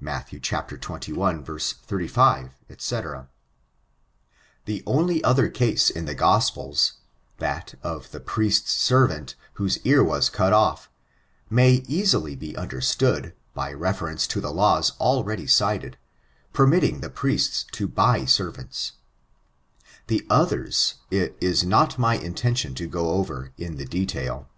Matt. xxi. 35, &c. The only othw case in the Gospels, that of the priest's servant, whose ear was cut off, may easily be understood, by reference to the laws already cited, permitting the priests to buy servants: the others, it is not my intention to go over, in the detail.